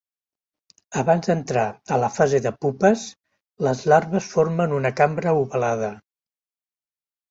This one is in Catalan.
Abans d'entrar a la fase de pupes, les larves formen una cambra ovalada.